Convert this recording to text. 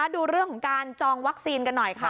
ดูเรื่องของการจองวัคซีนกันหน่อยค่ะ